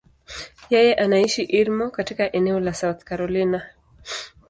Yeye anaishi Irmo, katika eneo la South Carolina.